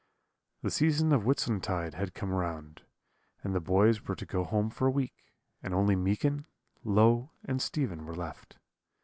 "The season of Whitsuntide had come round, and the boys were to go home for a week, and only Meekin, Low, and Stephen were left.